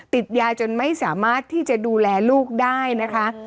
ติดยาจนไม่สามารถที่จะดูแลลูกได้นะคะ